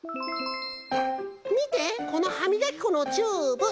みてこのはみがきこのチューブ！